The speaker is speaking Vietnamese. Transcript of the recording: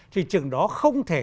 thì chừng đó không thể